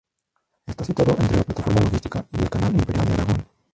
Está situado entre la plataforma logística y el Canal Imperial de Aragón.